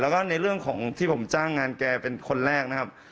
แล้วก็ในเรื่องของที่ผมจ้างงานแกเป็นคนแรกนะครับ